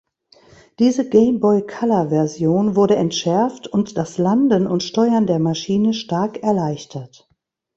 Diese Game-Boy-Color-Version wurde entschärft und das Landen und Steuern der Maschine stark erleichtert.